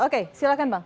oke silahkan bang